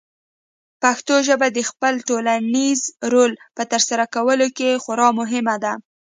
پښتو ژبه د خپل ټولنیز رول په ترسره کولو کې خورا مهمه ده.